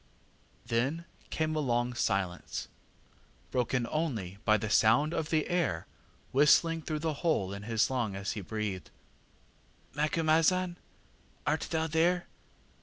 ŌĆÖ ŌĆ£Then came a long silence, broken only by the sound of the air whistling through the hole in his lung as he breathed. ŌĆ£ŌĆśMacumazahn, art thou there?